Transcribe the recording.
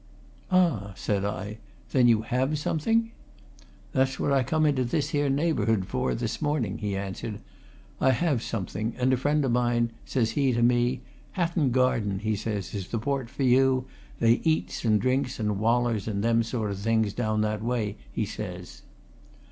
"Ah!" said I. "Then you have something?" "That's what I come into this here neighbourhood for, this morning," he answered. "I have something, and a friend o' mine, says he to me, 'Hatton Garden,' he says, 'is the port for you they eats and drinks and wallers in them sort o' things down that way,' he says.